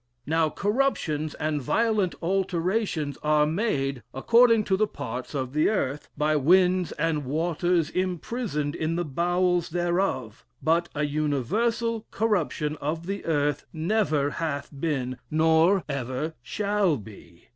Now, corruptions and violent alterations are made according to the parts of the earth, by winds and waters imprisoned in the bowels thereof; but a universal, corruption of the earth never hath been, nor ever shall be.